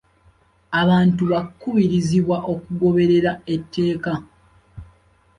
Abantu bakubirizibwa okugoberera etteeka.